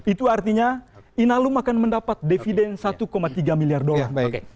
itu artinya inalum akan mendapat dividen satu tiga miliar dolar